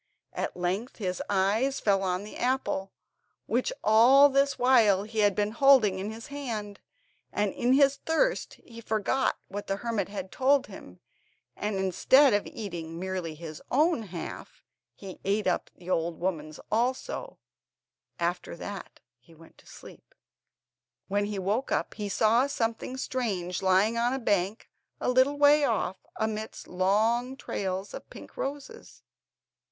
At length his eyes fell on the apple, which all this while he had been holding in his hand, and in his thirst he forgot what the hermit had told him, and instead of eating merely his own half, he ate up the old woman's also; after that he went to sleep. When he woke up he saw something strange lying on a bank a little way off, amidst long trails of pink roses.